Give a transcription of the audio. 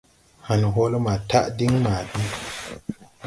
Han hoole maa taʼ din maa bi.